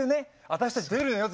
私たち出るのよ。